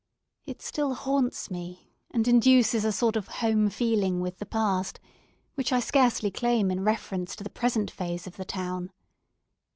It still haunts me, and induces a sort of home feeling with the past, which I scarcely claim in reference to the present phase of the town.